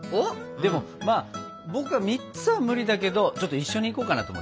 でもまあ僕は３つは無理だけどちょっと一緒に行こうかなと思ってさ。